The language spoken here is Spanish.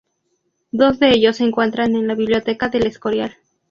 Dos de ellos se encuentran en la Biblioteca del Escorial.